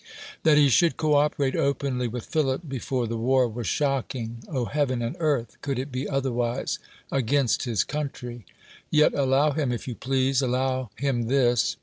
That he should cooperate openly with Philip before the war, was shocking — heaven and earth! could it be otherwise? — against his coun try ! Yet allow him if you please, allow him this.